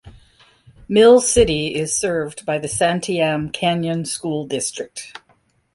Mill City is served by the Santiam Canyon School District.